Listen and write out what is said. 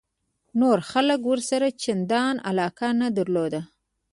نورو خلکو ورسره چندان علاقه نه درلوده.